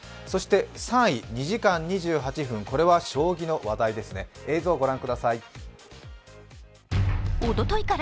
そして３位、２時間２８分これは将棋の話題ですね、映像を御覧ください。